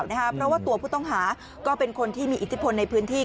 เพราะว่าตัวผู้ต้องหาก็เป็นคนที่มีอิทธิพลในพื้นที่